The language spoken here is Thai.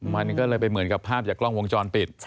มันก็เลยไปเหมือนกับภาพจากกล้องวงจรปิด